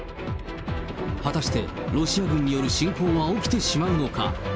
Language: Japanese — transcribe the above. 果たしてロシア軍による侵攻は起きてしまうのか。